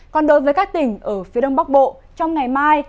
còn đối với các tỉnh ở phía đông bắc bộ trong ngày mai